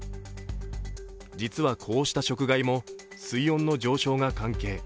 実は、こうした食害も水温の上昇が関係。